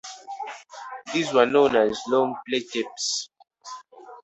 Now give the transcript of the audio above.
These were known as long play tapes.